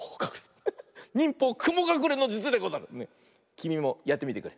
きみもやってみてくれ。